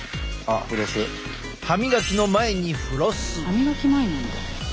歯みがき前なんだ。